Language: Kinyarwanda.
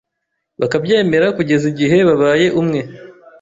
bakabyemera kugeza igihe babaye umwe.